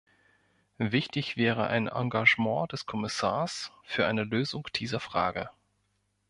Wichtig wäre ein Engagement des Kommissars für eine Lösung dieser Frage.